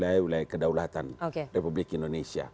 dan wilayah wilayah kedaulatan republik indonesia